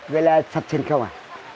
gọi là sạch sinh không à